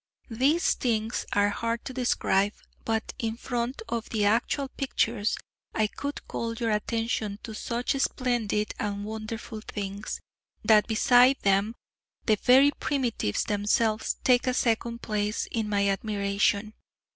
These things are hard to describe; but in front of the actual pictures I could call your attention to such splendid and wonderful things, that beside them the very Primitives themselves take a second place in my admiration.